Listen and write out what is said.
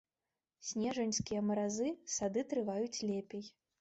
Снежаньскія маразы сады трываюць лепей.